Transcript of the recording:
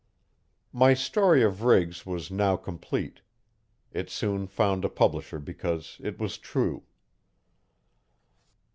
My story of Riggs was now complete. It soon found a publisher because it was true.